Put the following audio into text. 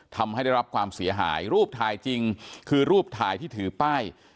ทำให้ได้รับความเสียหายรูปถ่ายจริงคือรูปถ่ายที่ถือป้าย